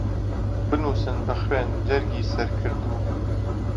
بنووسن بە خوێن جەرگی سەر کردووم